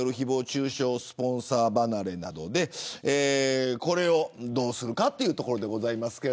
中傷スポンサー離れなどこれをどうするかというところです。